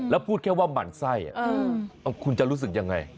แล้วพูดแค่ว่าหมั่นไส้คุณจะรู้สึกยังไง